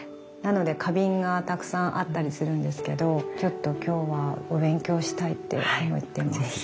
なので花瓶がたくさんあったりするんですけどちょっと今日はお勉強したいって思ってます。